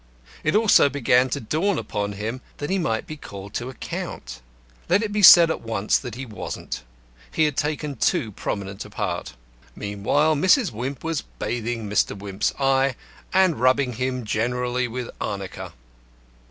It also began to dawn upon him that he might be called to account. Let it be said at once that he wasn't. He had taken too prominent a part. Meantime, Mrs. Wimp was bathing Mr. Wimp's eye, and rubbing him generally with arnica.